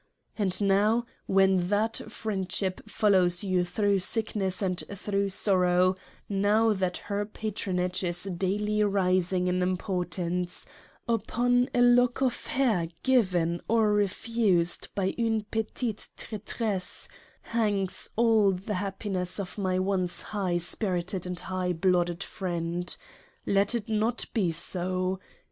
And now, when that Friendship follows you thro' Sickness and thro' Sorrow; now that her Patro nage is daily rising in Importance :— upon a Lock of Hair given or refused by une petite Traitresse, hangs all the happiness of my once high spirited and high blooded Friend. Let it not be so.